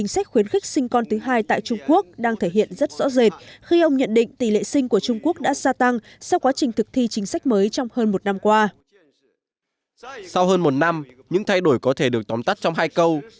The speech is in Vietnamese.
sau hơn một năm những thay đổi có thể được tóm tắt trong hai câu